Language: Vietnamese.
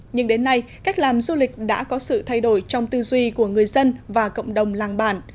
nhưng đến nay cách làm du lịch đã có sự thay đổi trong tư duy của người dân và cộng đồng làng bản